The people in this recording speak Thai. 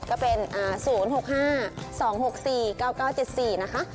ก็เป็น๐๖๕๒๖๔๙๙๗๔นะคะ